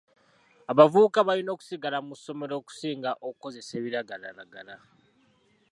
Abavubuka balina okusigala mu ssomero okusinga okukozesa ebiragalalagala.